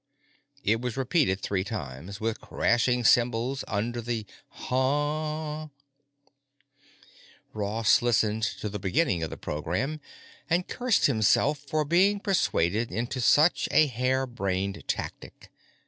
It was repeated three times, with crashing cymbals under the "Hunh?" Ross listened to the beginning of the program and cursed himself for being persuaded into such a harebrained tactic.